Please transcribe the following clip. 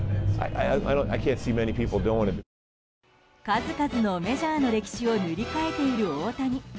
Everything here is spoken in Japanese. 数々のメジャーの歴史を塗り替えている大谷。